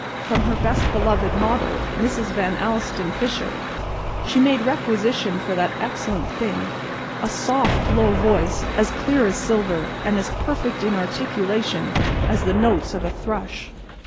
From her best beloved model, Mrs. Van Alstyne Fisher, she made requisition for that excellent thing, a soft, low voice as clear as silver and as perfect in articulation as the notes of a thrush.